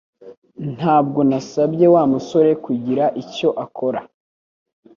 Ntabwo nasabye Wa musore kugira icyo akora